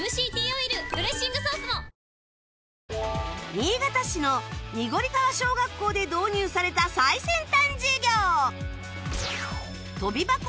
新潟市の濁川小学校で導入された最先端授業